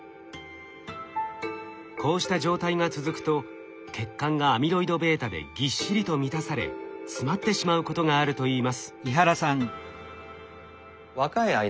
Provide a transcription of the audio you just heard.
こうした状態が続くと血管がアミロイドβでぎっしりと満たされ詰まってしまうことがあるといいます。